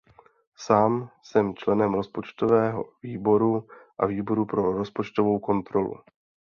Sám jsem členem Rozpočtového výboru a Výboru pro rozpočtovou kontrolu.